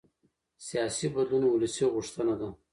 سیاسي بدلون ولسي غوښتنه ده